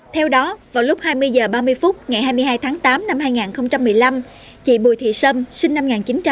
theo đó vào lúc hai mươi h ba mươi phút ngày hai mươi hai tháng tám năm hai nghìn một mươi năm chị bùi thị sâm sinh năm một nghìn chín trăm tám mươi